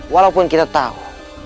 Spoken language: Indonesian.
walaupun kita tahu